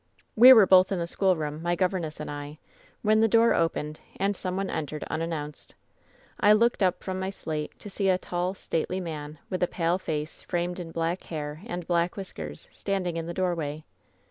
"We were both in lie schoolroom, my governess and I, when the door opened and some one entered unan nounced. I looked up from my slate, to see a tall, stately man, with a pale face framed in black hair and black whiskers, standing in the doorway.